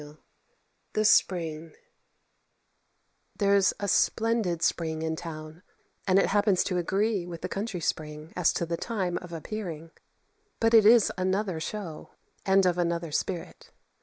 _] THE SPRING There is a splendid spring in town, and it happens to agree with the country spring as to the time of appearing; but it is another show, and of another spirit.